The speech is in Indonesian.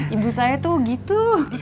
ibu saya tuh gitu